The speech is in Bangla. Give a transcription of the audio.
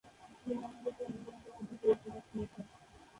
নোমান আলী খান ইংরেজিতে দুইটি বই প্রকাশ করেছেন।